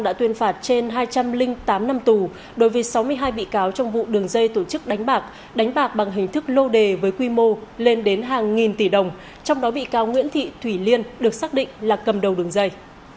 tòa án nhân dân tỉnh an giang đã tuyên phạt trên hai trăm linh tám năm tù đối với sáu mươi hai bị cáo trong vụ đường dây tổ chức đánh bạc đánh bạc bằng hình thức lô đề với quy mô lên đến hàng nghìn tỷ đồng trong đó bị cáo nguyễn thị thủy liên được xác định là cầm đầu đường dây